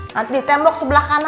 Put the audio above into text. nanti di tembok sebelah sana